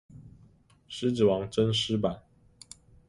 獅子王真獅版